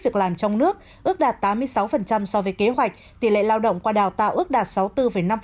việc làm trong nước ước đạt tám mươi sáu so với kế hoạch tỷ lệ lao động qua đào tạo ước đạt sáu mươi bốn năm